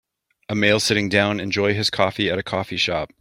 A male sitting down enjoy his coffee at a coffee shop.